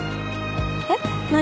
えっ？何を？